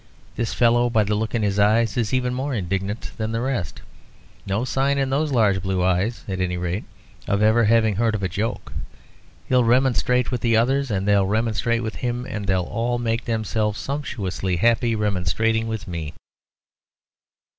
This fellow, by the look in his eyes, is even more indignant than the rest. No sign in those large blue eyes, at any rate, of ever having heard of a joke. He'll remonstrate with the others, and they'll remonstrate with him, and they'll all make themselves sumptuously happy remonstrating with me."